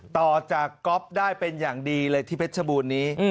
ต่อจากก๊อฟได้เป็นอย่างดีเลยที่เพชรบูรณ์นี้